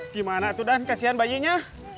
gimana tuh dan kasihan bayinya